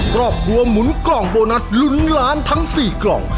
ครอบครัวหมุนกล่องโบนัสลุ้นล้านทั้ง๔กล่อง